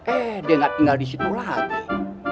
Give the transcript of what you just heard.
eh dia gak tinggal disitu lagi